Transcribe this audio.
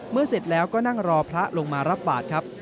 เสร็จแล้วก็นั่งรอพระลงมารับบาทครับ